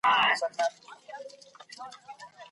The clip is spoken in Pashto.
دوی به ډېر شرمېدل .